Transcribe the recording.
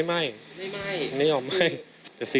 มันไม่ไหม้มันไม่ยอมไหม้มันไม่ไหม้มันไม่ยอมไหม้